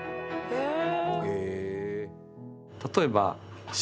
へえ。